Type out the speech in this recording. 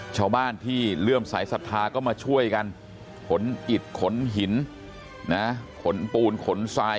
ชาวบ้านที่เลื่อมสายศรัทธาก็มาช่วยกันขนอิดขนหินนะขนปูนขนทราย